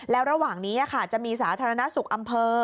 แล้วระหว่างนี้จะมีสาธารณสุขอำเภอ